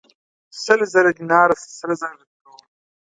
سل زره دیناره سره زر درکوم.